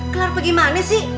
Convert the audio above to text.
kelar gimana sih